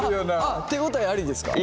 あっ手応えありですか？